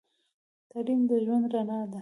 تعليم د ژوند رڼا ده.